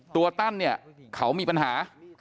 ตัวตั้นเขามีปัญหา